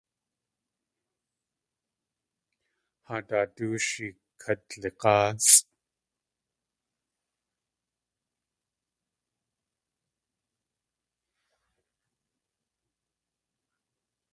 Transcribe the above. Haadaadóoshi kadlig̲áasʼ.